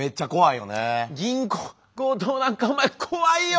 銀行強盗なんかお前怖いよ！